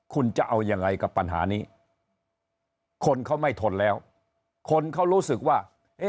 คุณจะเอายังไงกับปัญหานี้คนเขาไม่ทนแล้วคนเขารู้สึกว่า